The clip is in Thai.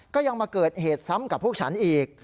ก็ยังมาเกิดเหตุซ้ำกับพวกฉันอีก